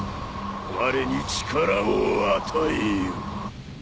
われに力を与えよ。